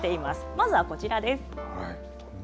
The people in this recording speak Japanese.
まずはこちらです。